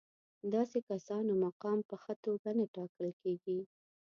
داسې کسانو مقام په ښه توګه نه ټاکل کېږي.